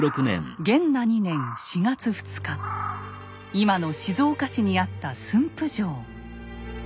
今の静岡市にあった駿府城。